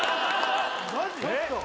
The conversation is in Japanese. マジ？